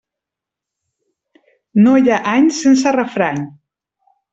No hi ha any sense refrany.